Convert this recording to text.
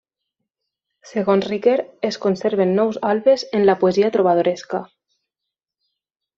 Segons Riquer, es conserven nou albes en la poesia trobadoresca.